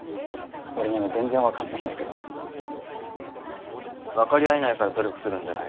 俺には全然分かんないんだけど分かり合えないから努力するんじゃないの？